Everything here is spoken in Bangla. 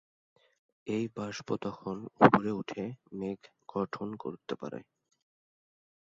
এই বাষ্প তখন উপরে উঠে মেঘ গঠন করতে পারে।